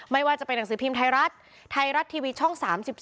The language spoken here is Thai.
ไม่ว่าจะเป็นหนังสือพิมพ์ไทยรัฐไทยรัฐทีวีช่อง๓๒